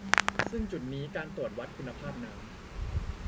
ซึ่งจุดนี้การตรวจวัดคุณภาพน้ำ